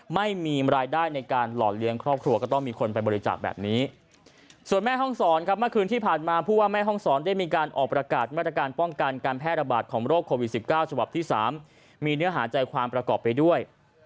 แพทย์ระบาดของโรคโควิด๑๙ฉบับที่๓มีเนื้อหาใจความประกอบไปด้วย